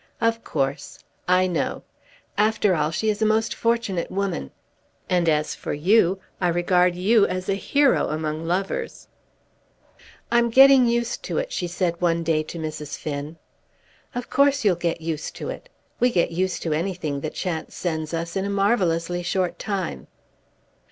"Of course. I know. After all she is a most fortunate woman. And as for you, I regard you as a hero among lovers." "I'm getting used to it," she said one day to Mrs. Finn. "Of course you'll get used to it. We get used to anything that chance sends us in a marvellously short time."